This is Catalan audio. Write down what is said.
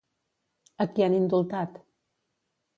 A qui han indultat?